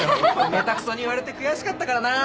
めたクソに言われて悔しかったからなぁ。